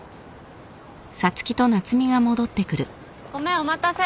・ごめんお待たせ。